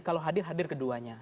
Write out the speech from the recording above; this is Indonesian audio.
kalau hadir hadir keduanya